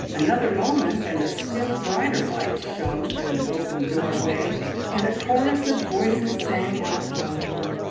Another moment and a still brighter light shone through an opened doorway, and a chorus of voices sang out welcome.